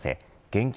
現金